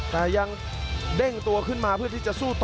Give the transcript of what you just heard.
แต่ยังเด้งตัวขึ้นมาเพื่อที่จะสู้ต่อ